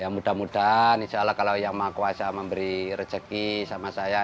ya mudah mudahan insya allah kalau yang maha kuasa memberi rezeki sama saya